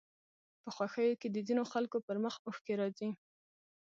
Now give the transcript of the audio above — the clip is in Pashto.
په خوښيو کې د ځينو خلکو پر مخ اوښکې راځي